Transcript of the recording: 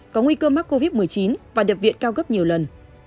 có nguy cơ mắc covid một mươi chín và nhập viện cao gấp nhiều lần